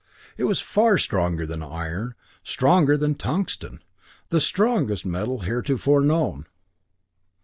It was far stronger than iron stronger than tungsten, the strongest metal heretofore known.